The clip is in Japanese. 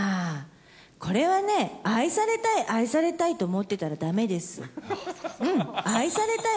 これはね、愛されたい、愛されたいって思ってたらだめです。